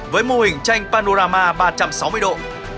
với mô hình tranh panorama ba trăm sáu mươi độ